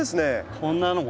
こんなのも。